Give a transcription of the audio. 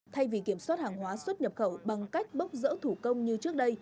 thay vì kiểm soát hàng hóa xuất nhập khẩu bằng cách bốc rỡ thủ công như trước đây